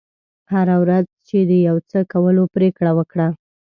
هره ورځ چې د یو څه کولو پرېکړه وکړه.